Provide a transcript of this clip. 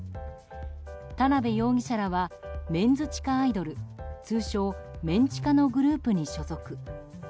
田辺容疑者らはメンズ地下アイドル通称メン地下のグループに所属。